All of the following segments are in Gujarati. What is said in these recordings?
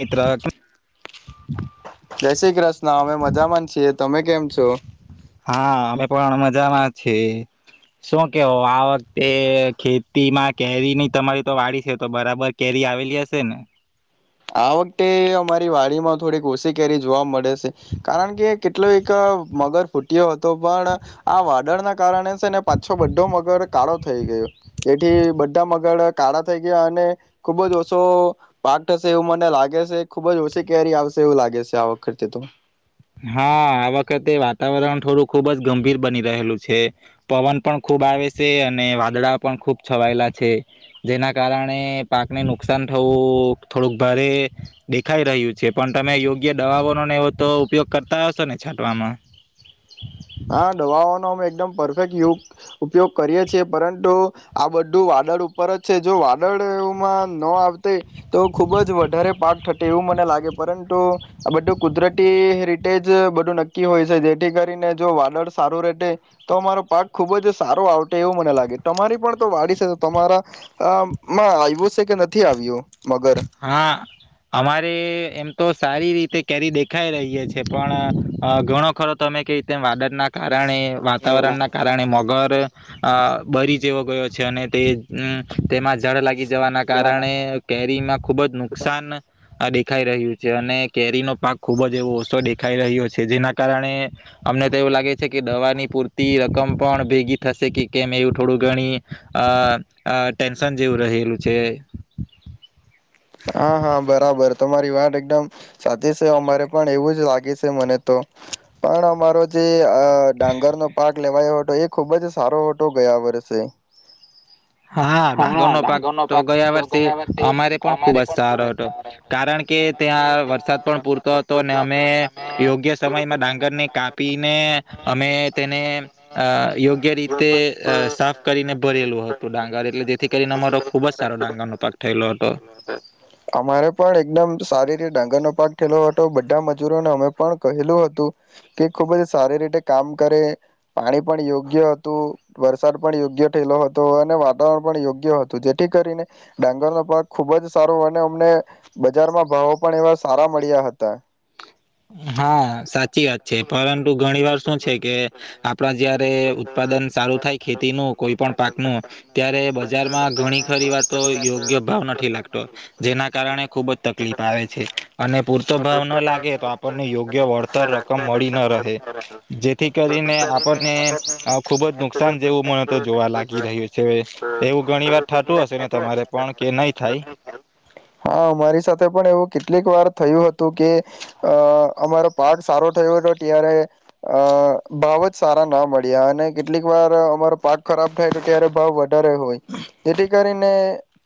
મિત્ર જય શ્રી કૃષ્ણ અમે મજામાં જ છીએ. તમે કેમ છો? હા, અમે પણ મજામાં છીએ. શું કેવો આ વખતે ખેતીમાં કેરી ની તમારી તો વાળી છે તો બરાબર કેરી આવેલી હશે ને? આ વખતે અમારી વાડીમાં થોડીક ઓછી કેરી જોવા મળે છે કારણ કે કેટલો એક મગર ફૂટયો હતો પણ આ વાદળના કારણે છે ને પાછો બડો મગર કાળો થઈ ગયું એથી બધા મગર કાળા થઈ ગયા અને ખુબ જ ઓછો પાક થશે એવું મને લાગે છે ખુબ જ ઓછી કેરી આવશે એવું લાગે છે આ વખતે તો. હા, આ વખતે વાતાવરણ થોડું ખુબ જ ગંભીર બની રહેલું છે પવન પણ ખૂબ આવે છે અને વાદળા પણ ખુબ છવાયેલા છે જેના કારણે પાકને નુકસાન થવું થોડુંક ભારે દેખાઈ રહ્યું છે પણ તમે યોગ્ય દવાઓનો નેવો તો ઉપયોગ કરતા હશો ને છાંટવામાં? હા, દવાઓ નો અવે જ દમ પરફેક્ટ [unintelligible] ઉપયોગ કરીએ છીએ પરંતુ આ બધું વાદળ ઉપર જ છે જો વાદળમાં ન આવ તે તો ખુબ જ વધારે પાક થટે એવું મને લાગે પરંતુ આ બધું કુદરતી રી તેજ બધું નક્કી હોય છે જેથી કરીને જો વાદળ સારું રેટે તો અમારો પાક ખુબ જ સારો આવટે એવું મને લાગે. તમારી પણ તો વાડી છે તો તમારામાં અ માં આવ્યું છે કે નથી આવ્યું? મગર હા, અમારે એમ તો સારી રી તે કેરી દેખાઈ રહીએ છે પણ અ ઘણો ખરો તમે કે તેમ વાદળ ના કાર કારણે વાતાવરણ ના કારણે મગર અ બરી જેવો ગયો છે અને તે તેમાં જળ લાગી જવાના કારણે તી માં ખુબ જ નુકસાન આ દેખાઈ રહ્યું છે અને કેરીનો પાક ખુબ જ એવો ઓછો દેખાઈ રહ્યો છે, જેના કારણે અમને તો એવું લાગે છે કે દવાની પૂરતી રકમ પણ ભેગી થશે કે કેમ એવું થોડું ઘણી અહ-અહ ટેન્શન જેવું રહેલું છે. હા, હા બરાબર તમારી વાત એકદમ સાચી સે. અમારે પણ એવું જ લાગે છે મને તો, પણ અમારો જે અહ ડાંગરનો પાક લેવાયો હતો એ ખુબ જ સારો હતો ગયા વર્ષે. હા, ડાંગરનો પાક તો ગયા વરસે અમારે પણ ખૂબ જ સારો હતો, કારણ કે ત્યાં વરસાદ પણ પૂરતો હતો ને અમે યોગ્ય સમયમાં ડાંગરને કાપીને અમે તેને અહ યોગ્ય રીતે અહ સાફ કરીને ભરેલું હત. પાક થયેલો હતો. અમારે પણ એકદમ સારી રીત ડાંગર નો પાક થયેલો હતો, બધા મજૂરોને અમે પણ કહેલું હતું કે ખુબ જ સારી રીતે કામ કરે, પાણી પણ યોગ્ય હતું, વરસાદ પણ યોગ્ય થયેલો હતો અને વા વણ પણ યોગ્ય હતું જેથી કરીને ડાંગરનો પાક ખુબ જ સારો અને અમને બજારમાં ભાવો પણ એવા સારા મળ્યા હતા. હા, સાચી વાત છે, પરંતુ ઘણીવાર શું છે કે આપડા જયારે ઉત્પાદન સારું થાય ખેતીનું કોઈ પણ પાકનું ત્યાર રે બજારમાં ઘણી ખરી વાતો યોગ્ય ભાવ નથી લાગતો. જેના કારણે ખુબ જ તકલીફ આવે છે, અને પૂરતો ભાવ ન લાગે તો આ આપણને યોગ્ય વળતર રકમ મળી ન રહે જેથી કરીને આપણને અહ ખુબ જ નુકસાન જેવું મને તો જોવા લાગી રહ્યું છે. એવું ઘણી વાર થાતું હશે ને તમારે પણ કે નહી થાય? હા મારી સાથે પણ એવું કેટલીક વાર થયું હતું કે અહ અમારો પાક સારો થયો હતો ત્યારે અહ ભાવ જ સારા ના મળ્યા, અને કેટલીક વાર અમારો પાક ખરાબ થાય તો ત્યારે ભાવ વધ ધારે હોય તેથી કરીને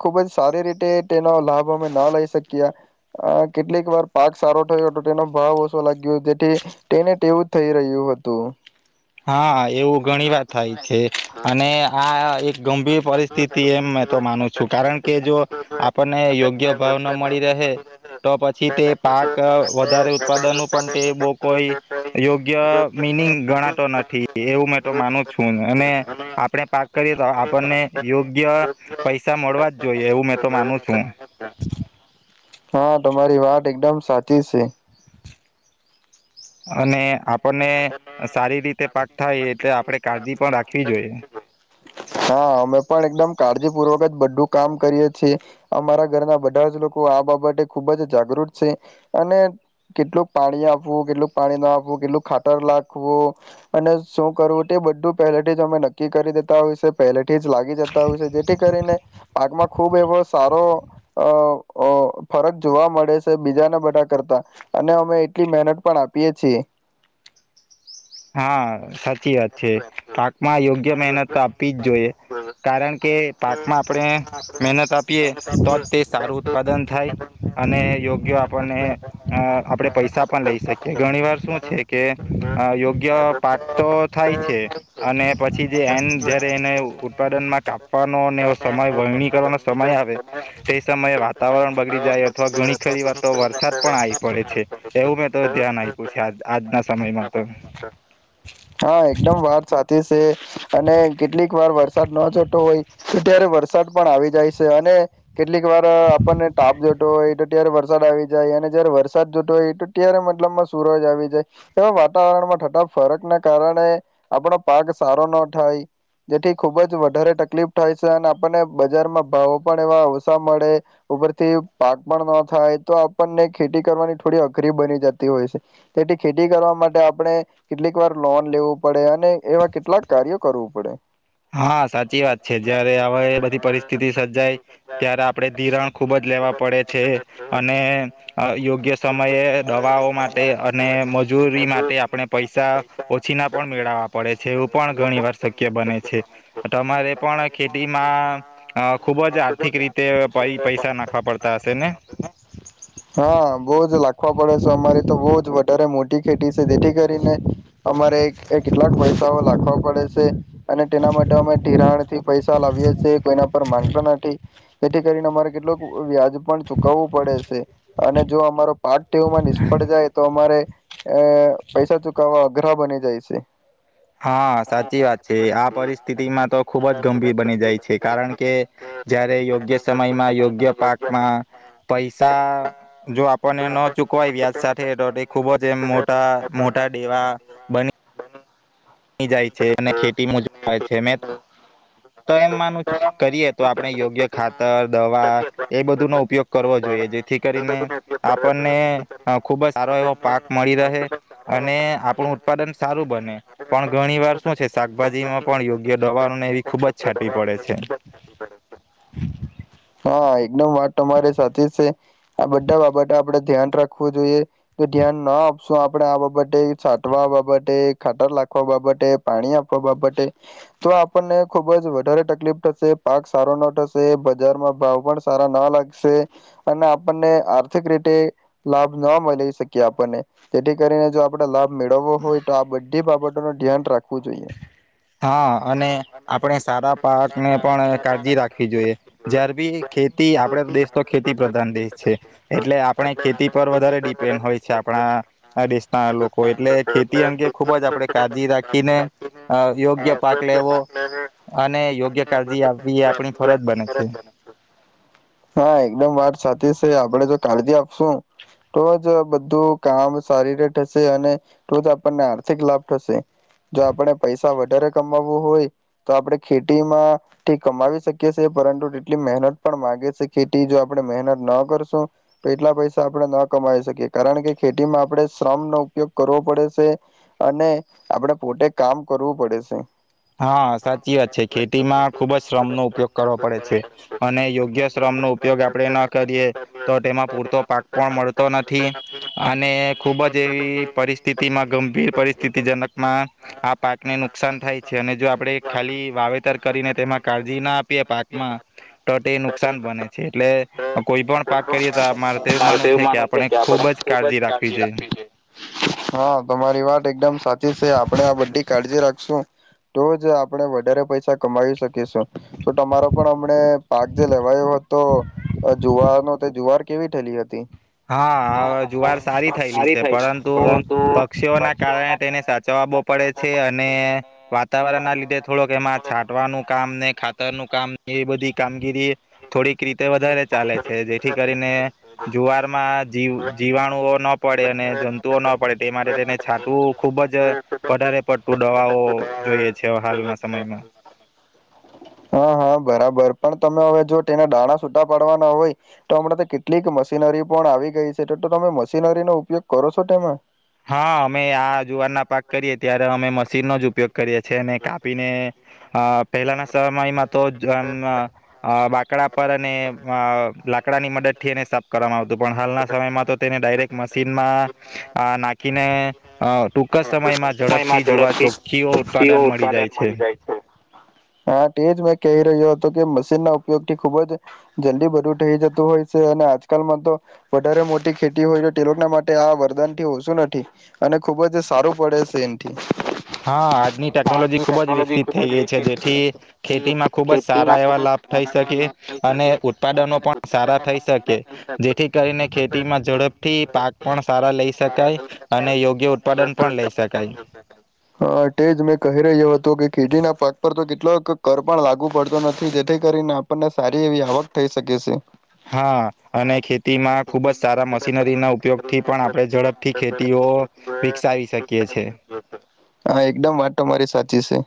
ખુબ જ સારી રીતે તેનો લાભ અમે ન લઈ શક્યા, અહ કેટલીક વાર પાક સારો થયો હતો તેનો ભાવ ઓછો લાગ્યો જેથી તેને ટેવું જ થઈ રહ્યું હતું. હા, એવું ઘણી વાર થાય છે અને હા એક ગમ ગંભીર પરિસ્થિતિ એમ મે તો માનું છું, કારણ કે જો આપણને યોગ્ય ભાવ ન મળી રહે તો પછી તે પાક વધારે ઉત્પાદનો પણ તે બહુ કોઈ યોગ્ય મિનિંગ ગણા તું નથી, એવું મેં તો માનું છું અને આપણે પાક કરીએ તો આપ આપણને યોગ્ય પૈસા મળવા જ જોઈએ એવું મેં તો માનું છું. હા તમારી વાત એકદમ સાચી છે. અને આપ એટલે આપણે કાળજી પણ રાખવી જોઈએ. હા અમે પણ એકદમ કાળજી પૂર્વક જ બધું કામ કરીએ છીએ. અમારા ઘરના બધા જ લોકો આ બાબતે ખુબ જ જાગૃત છે. અને કેટલુંક પાણી આપવું, કેટલુંક પાણી ના આપવું, કેટલું ખા તર નાખવું અને શું કરવું, તે બધું પહેલેથી જ અમે નક્કી કરી દેતા હોય છે. પહેલેથી જ લાગી જતા હોય છે. જેથી કરીને આગમાં ખુબ એવો સારો અહ અહ ફરક જોવા મળે છે બીજાના બધા કરતા. અને અમે એટલી મહેનત પણ આપીએ જ છીએ. હા સાચ ચી વાત છે. પાકમાં યોગ્ય મહેનત તો આપવી જ જોઈએ, કારણ કે પાકમાં આપણે મહેનત આપીએ તો જ તે સારું ઉત્પાદન થાય, અને યોગ્ય આપણને અહ આપણેે પૈસા પણ લઈ શકીએ. ઘણી વાર શું છે, કે અહ યોગ ગ્ય પાક તો થાય જ છે, અને પછી જે એન જયારે એને ઉ ઉત્પાદનમાં કાપવાનો અને એવું સમય વણણી કરવાનો સમય આવે, તે સમયે વાતાવરણ બગડી જાય અથવા ઘણી ખરી વાર તો વરસાદ પણ આવી પડે છે. એવું મેં તો ધ્યાન આયપુ છે, આજ આજના સમયમાં તો. હા એકદમ વાત સાચી સ સે. અને કેટલીક વાર વરસાદ ન જોતો હોય, તો ત્યારે વરસ [unintelligible] પણ આવી જાય છે, અને કેટલીક વાર આપણને તાપ જતોો એ. કયારે વરસાદ આવી જાય. અને જયારે વરસાદ જોતો હોય તો ત્યારે મતલબમાં સૂરજ આવી જાય. એવા વાતાવરણ માં ફરક ના કારણે આપણો પાક સારો ના થાય જેથી ખુબ જ વધારે તકલીફ થાય છે અને આપણને બજારમાં ભાવો પણ એવા અવસા મળે ઉપરથી પાક પણ ન થાય તો આપણને ખેતી કરવાની થોડી અઘરી બની જતી હોય છે તેથી ખેતી કરવા માટે આપણે કેટલીક વાર લોન લેવું પડે. અને એવા કેટલાક કાર્યો કરવું પડે. હા સાચી વાત છે. જયારે હવે બધી પરિસ્થિતિ સર્જાય ત્યારે આપડે ધિરાણ ખુબ જ લેવા પડે છે. અને યોગ્ય સમયે દવાઓ માટે અને મજૂરી માટે આપણે પૈસા ઓછી ના પણ મેળવવા પડે છે. એવું પણ ઘણી વાર શક્ય બને છે. [unintelligible] તમારે પણ મોટી ખેતીમાં અ ખૂબ જ આર્થિક રીતે પૈ પૈસા નાખવા પડતા હશે ને? ખેતી છે જેથી કરીને. અમારે એક. એ કેટલાક પૈસાઓ લખો. પડે છે. અને તેના માટે અમે ધિરાણથી પૈસા લાવીએ છે. કોઈના પર માંગતા નથી. તેથી કરીને અમારે કેટલ. વ્યાજ પણ ચુકવવું પડે છે. અને જો અમારો પાક ટેવમાં નિષ્ફળ જાય તો અમારે. [unintelligible] અગરા બની જાય છે. હા સાચી વાત છે આ પરિસ્થિતિમાં તો ખુબ જ ગંભીર બની જાય છે. કારણ કે જયારે યોગ્ય સમયમાં યોગ્ય પાકમાં પૈસા જો આપણને ન ચૂકવાય વ્યાજ સાથે તો તે ખુબ જ એમ મોટા મોટા. એવા બની. [unintelligible] કરીએ તો આપણે યોગ્ય ખાત. ખાતર, દવા એ બધું નો ઉપયોગ કરવો જોઈએ જે થી કરીને આપણને ખુબ જ સારો એવો પાક મળી રહે અને આપણું ઉત્પાદન સારું બને પણ ઘણી વાર શું છે શાકભાજીમાં પણ યોગ્ય દવાઓને ખુબ જ છાંટીવી પડે છે [unintelligible] હા એકદમ વાત તમારી સાચી છે આ બધા બાબતે આપડે ધ્યાન રાખવું જોઈએ, જો ધ્યાન ના આપશું આપણે આ બાબતે છાંટવા બાબતે, ખાટર નાખવા બાબતે, પાણી આપવા બાબતે તો આપણને ખુબ જ વધારે તકલીફ પડશે, પાક સારો ના થશે બજારમાં ભાવ પણ સારા ના લાગશે અને આપણને આર્થિક રીતે લાભ ના મળી શકીએ આપણને તેથી કરીને જો આપણે લાભ મેળવવો હોય તો આ બધી બાબતો નો ધ્યાન રાખવું જોઈએ હા અને આપણે સારા પાક ને પણ કાળજી રાખવી જોઈએ જ્યારે ભી ખેતી આપડે દેશ તો ખેતી પ્રધાન દેશ છે એટલે આપણે ખેતી પર વધારે ડિપેન્ડ હોય છે આપણા દેશના લોકો એટલે ખેતી અંગે ખુબ જ આપણેે કાળજી રાખીને યોગ્ય પાક લેવો અને યોગ્ય કાળજી આપવી એ આપણી ફરજ બને છે હા એકદમ વાત સાચી છે આપણે જો કાળજી આપશું તો જ બધું કામ સારી રીતે થશે અને તોજ આપણને આર્થિક લાભ થશે જો આપણે પૈસા વધારે કમાવવું હોય તો આપણે ખેતીમાંથી કમાવી શકીએ છી પરંતુ તેટલી મહેનત પણ માંગે ખેતી જો આપણે મહેનત ના કરશું તો એટલા પૈસા આપણે ન કમાઈ શકીએ કારણ કે ખેતીમાં આપણે શ્રમ નો ઉપયોગ કરવો પડે છે અને આપણે પોતે કામ કરવું પડે છે હા સાચી વાત છે ખેતીમાં ખુબ જ શ્રમનો ઉપયોગ કરવો પડે છે અને યોગ્ય શ્રમ ઉપયોગ આપે ન કરીએ તો તેમાં પૂરતો પાક પણ મળતો નથી અને ખુબ જ એવી પરિસ્થિતિમાં ગંભીર પરિસ્થિતિજનકમાં આ પાકને નુકસાન થાય છે છે અને જો આપણે ખાલી વાવેતર કરીને તેમાં કાળજી ના આપીએ પાકમાં તો તે નુકસાન બને છે એટલે કોઈ પણ મારે તો એવું માનુંવ છે કે આપણે ખુબ જ કાળજી રાખવી જોઈએ હા તમારી વાત એકદમ સાચી છે આપણે આ બધી કાળજી રાખી તો જ આપણે વધારે પૈસા કમાવી શકીશું તો તમારો પણ અમને પાક જે લેવાયોયો હતો જુવારનો જુવાર કેવી થયેલી હતી હા જુવાર સારી થયેલી છે પરંતુ પક્ષીઓના કારણે તેને સાચવવા બહુ પડે છે અને વાતાવરણ ના લીધે થોડોક એમાં છાંટવાનું કામ ને ખાતરનું કામ એ બધી કામગીરી થોડીક રીતે વધારે ચાલે છે જે ને જુવાર જી જીવાણુઓ ના પડે અને જંતુઓ ના પડે તે માટે તેને છાટુંવુ ખુબ જ વધારે પડતું દવાઓ જોઈએ છે હાલના સમયમાં હા હા બરાબર પણ તમે હવે જો તેના દાણા છૂટા પડવાના હોય તો હમણાં તો કેટલીક મશીનરી પણ આવી ગઈ છે તો તો તમે મશીનરીનો ઉપયોગ કરો છો તમે? હા અમે આ જુવારના પાક કરીએ ત્યારે અમે મશીનનો જ ઉપયોગ કરીએ છે અને કાપીને અ પહેલાના સમયમાં તો જ મ બાકડા પર અને અ લાકડાની મદદ ઠી એને સાફ કરવામાં આવતું પણ હાલના સમયમાં તો તેને ડાયરેક્ટ મશીનમાં હા ના [inaudible] ઝડપથી સી ઉત્પાદન મળી જાય છે હા તેજ મે કહી રહ્યો તો કે મશીન ના ઉપયોગથી ખુબ જ જલ્દી બધું થઈ જતું હોય છે અને આજકાલમાં તો વધારે મોટી ખેતી હોય તો તે લોકોના માટે આ વરદાન થી ઓશું નથી અને ખુબ જ સારું પડે છે એથી હા આજની ટેકનોલોજી ખુબ જ વિકસિત થઈ ગઈ છે જેથી ખેતીમાં ખુબ જ સારા એવા લાભ થઈ શકે અને ઉત્પાદનો પણ સારા થઈ શકે જેથી કરીને ખેતીમાં ઝડપથી પાક પણ સારા લઈ શકાય અને યોગ્ય ઉત્પાદન પણ લઈ શકાય હા તે જ મેં કહી રહ્યો હતું કે કીડીના પાક પર તો કેટલોક કર પણ લાગુ પડતો નથી જેથી કરીને આપણને સારી એવી આવક થઈ શકે છે હા અને ખેતીમાં ખુબ જ સારા મશીનરી ના ઉપયોગ થી પણ આપડે ઝડપથી ખેતી [inaudible] હા એકદમ વાતો મારી સાચી છે